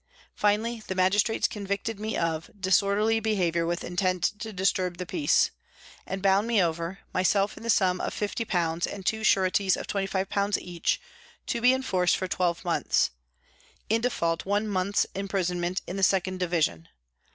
Finally, the magistrates convicted me of " dis orderly behaviour with intent to disturb the peace," and bound me over, myself in the sum of 50 and two sureties of 25 each, to be enforced for twelve months ; in default, one month's imprisonment in the 2nd Division.